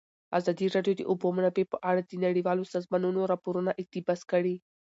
ازادي راډیو د د اوبو منابع په اړه د نړیوالو سازمانونو راپورونه اقتباس کړي.